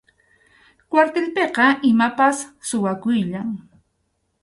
Kwartilpiqa imapas suwakuyllam.